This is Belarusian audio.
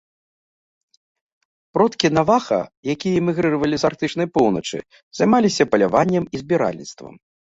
Продкі наваха, якія мігрыравалі з арктычнай поўначы, займаліся паляваннем і збіральніцтвам.